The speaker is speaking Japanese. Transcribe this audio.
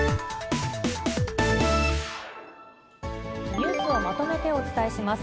ニュースをまとめてお伝えします。